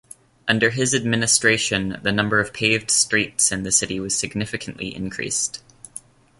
Under his administration the number of paved streets in the city was significantly increased.